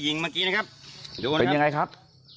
ยิงเมื่อนี้ครับเป็นยังไงครับ